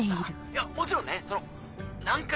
いやもちろんねその南海